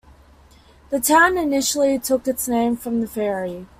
The town initially took its name from the ferry.